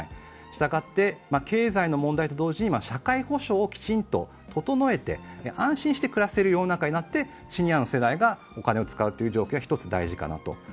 したがって経済の問題と同時に社会保障をきちんと整えて安心して暮らせる世の中になってシニアの世代がお金を使うという状況が、１つ大事かなと。